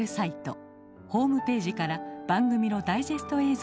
ホームページから番組のダイジェスト映像が楽しめます。